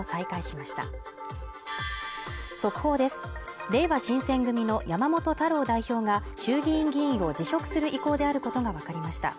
れいわ新選組の山本太郎代表が衆議院議員を辞職する意向であることが分かりました